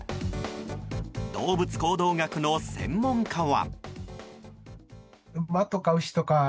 動物行動学の専門家は。